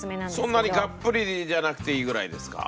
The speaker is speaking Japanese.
そんなにがっぷりじゃなくていいぐらいですか？